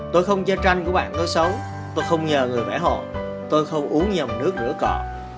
tôi không che tranh của bạn có xấu tôi không nhờ người vẽ họ tôi không uống nhầm nước rửa cọ